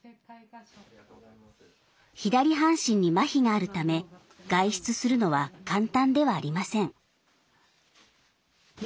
左半身にまひがあるため外出するのは簡単ではありません。